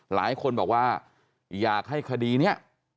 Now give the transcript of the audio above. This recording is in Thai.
หลายคนบอกว่าอยากให้คดีนี้